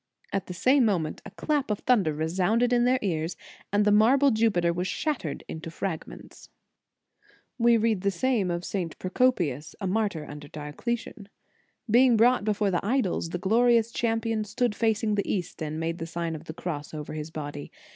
At the same moment a clap of thunder resounded in their ears, and the marble Jupiter was shattered into frag ments.* * Baron, t. ii. 2 1 2 The Sign of the Cross We read the same of St. Procopius, a martyr under Diocletian. Being brought before the idols, the glorious champion stood facing the East, and made the Sign of the Cross over his body.